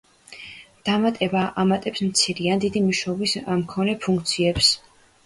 დამატება ამატებს მცირე ან დიდი მნიშვნელობის მქონე ფუნქციებს.